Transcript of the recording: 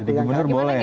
jadi pembimbing boleh